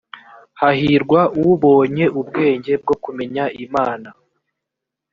hahirwa ubonye ubwenge bwo kumenya imana